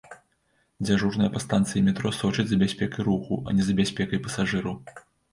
Дзяжурная па станцыі метро сочыць за бяспекай руху, а не за бяспекай пасажыраў.